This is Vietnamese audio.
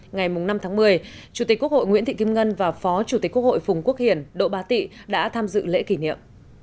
ngày năm tháng một mươi chủ tịch quốc hội nguyễn thị kim ngân và phó chủ tịch quốc hội phùng quốc hiển độ ba tị đã tham dự lễ kỷ niệm